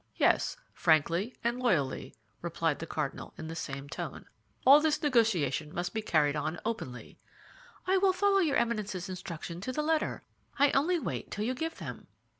"Yes, frankly and loyally," replied the cardinal, in the same tone. "All this negotiation must be carried on openly." "I will follow your Eminence's instructions to the letter. I only wait till you give them."